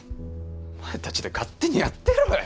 お前たちで勝手にやってろよ。